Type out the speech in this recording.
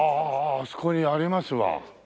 あああそこにありますわ。